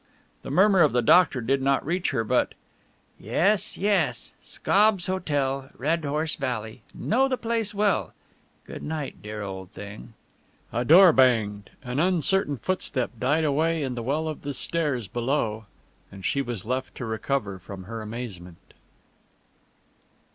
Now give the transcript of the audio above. The murmur of the doctor did not reach her, but "Yes, yes ... Scobbs' Hotel, Red Horse Valley ... know the place well ... good night, dear old thing...." A door banged, an uncertain footstep died away in the well of the stairs below, and she was left to recover from her amazement.